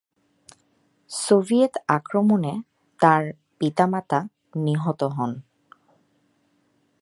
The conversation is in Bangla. সোভিয়েত আক্রমণে তার পিতা-মাতা নিহত হন।